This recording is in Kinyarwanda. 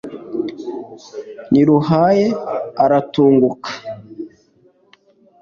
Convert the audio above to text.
Ntiruharaye aratunguka.